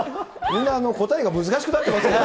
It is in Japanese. みんな、答えが難しくなってますけど。